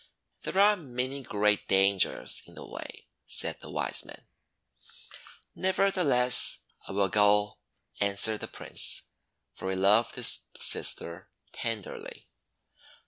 "There are many great dangers in the way," said the Wisemen. "Nevertheless I will go," answered the Prince, for he loved his sister tenderly.